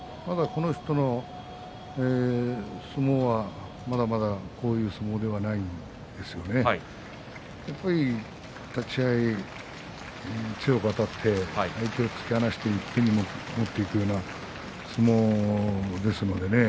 この人の相撲は、まだまだこういう相撲ではないやっぱり立ち合い強くあたって相手を突き放して一気に持っていくような相撲ですのでね